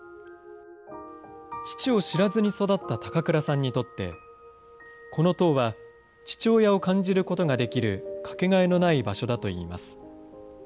父を知らずに育った高倉さんにとって、この塔は父親を感じることができるかけがえのない場所だといいます。